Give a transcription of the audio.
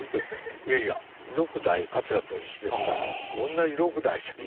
いやいや６代桂文枝ですから同じ６代じゃない。